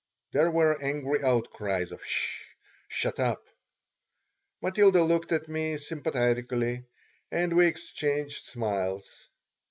There were angry outcries of "'S sh!" "Shut up!" Matilda looked at me sympathetically and we exchanged smiles.